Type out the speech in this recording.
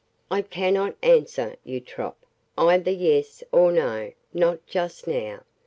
"I cannot answer, Eutrope, either yes or no; not just now.